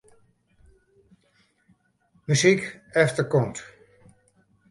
Muzyk efterkant.